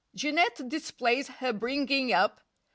Jeanette displays her bringing up.